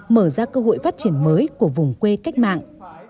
mở ra cơ hội phát triển mới của vùng quê cách mạng